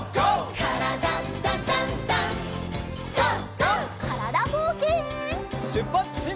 からだぼうけん。